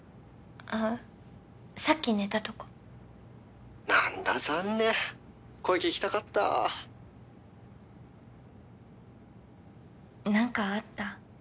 あっさっき寝たとこ☎何だ残念声聞きたかった何かあった？